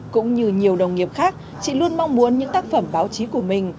cũng như nhiều đồng nghiệp khác chị luôn mong muốn những tác phẩm báo chí của mình